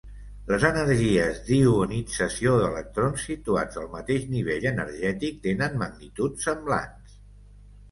Les energies de ionització d'electrons situats al mateix nivell energètic tenen magnituds semblants.